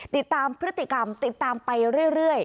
ติดตามพฤติกรรมติดตามไปเรื่อย